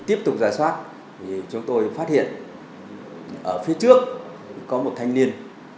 tiếp tục giải soát chúng tôi phát hiện ở phía trước có một thanh niên